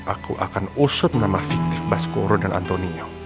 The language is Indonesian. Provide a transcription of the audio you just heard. aku akan usut nama fiktif baskoro dan antonio